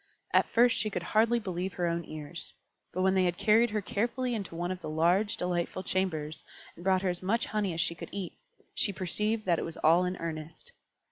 At first she could hardly believe her own ears; but when they had carried her carefully into one of the large, delightful chambers, and brought her as much honey as she could eat, she perceived that it was all in earnest.